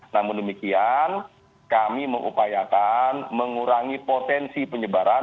namun demikian kami mengupayakan mengurangi potensi penyebaran